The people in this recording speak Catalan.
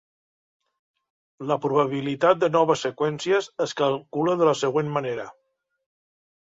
La probabilitat de noves seqüències es calcula de la següent manera.